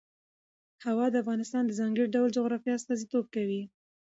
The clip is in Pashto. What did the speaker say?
هوا د افغانستان د ځانګړي ډول جغرافیه استازیتوب کوي.